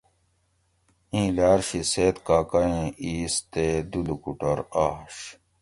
ایں لاۤر شی سید کاکا ایں اِیس تے دوُ لوکوٹور آش